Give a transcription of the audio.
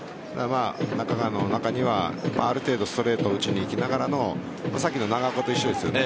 中川の中にはある程度ストレートを打ちにいきながらのさっきの長岡と一緒ですよね。